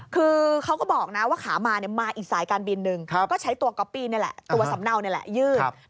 คือเขาก็บอกนะว่าขามามาอีกสายการบินหนึ่งก็ใช้ตัวก๊อปปี้นี่แหละตัวสำเนานี่แหละยื่น